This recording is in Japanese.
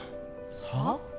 はあ？